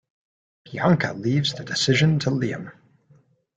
Bianca leaves the decision to Liam.